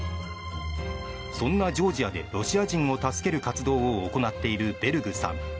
そんなジョージアでロシア人を助ける活動を行っているベルグさん。